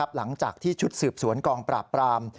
หลังจากที่ชุดสืบสวนกองปราบปราม